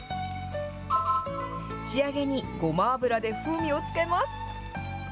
仕上げにごま油で風味をつけます。